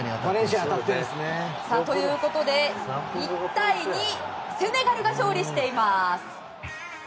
ということで、１対２でセネガルが勝利しています。